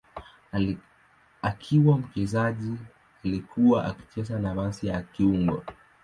Akiwa mchezaji alikuwa akicheza nafasi ya kiungo.